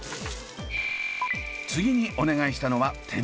次にお願いしたのは手袋。